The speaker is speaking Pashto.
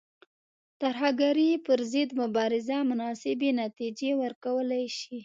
ترهګرۍ پر ضد مبارزه مناسبې نتیجې ورکولای شي.